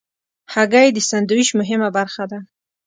هګۍ د سندویچ مهمه برخه ده.